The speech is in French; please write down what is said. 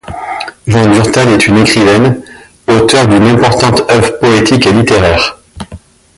Jean Durtal est une écrivaine, auteur d'une importante œuvre poétique et littéraire.